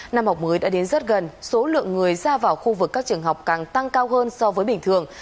năm học mới đã đến rất gần số lượng người ra vào khu vực các trường học càng tăng cao hơn so với bình thường